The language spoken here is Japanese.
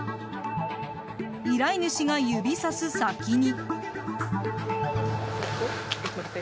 依頼主が指さす先に。